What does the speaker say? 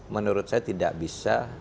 menurut saya tidak bisa